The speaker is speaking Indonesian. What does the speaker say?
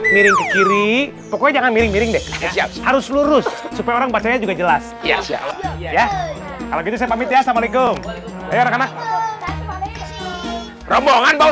distributor yang ng ambigu learn